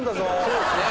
そうですね。